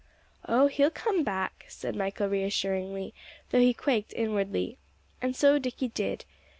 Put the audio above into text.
"Oh, he'll come back," said Michael reassuringly, though he quaked inwardly. And so Dicky did.